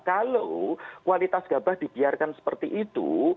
kalau kualitas gabah dibiarkan seperti itu